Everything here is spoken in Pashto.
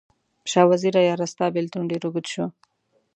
شاه وزیره یاره، ستا بیلتون ډیر اوږد شو